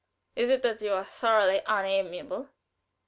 "Is it that you are thoroughly unamiable?"